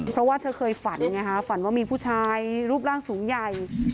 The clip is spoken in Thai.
เพราะว่าเธอเคยฝันไงฮะฝันว่ามีผู้ชายรูปร่างสูงใหญ่